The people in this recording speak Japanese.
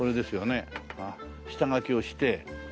下描きをして。